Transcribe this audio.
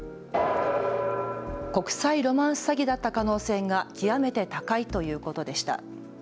国際ロマンス詐欺だった可能性が極めて高いということでした。